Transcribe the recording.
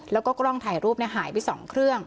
แล้วก็กล้องถ่ายรูปหายไป๒เครื่อง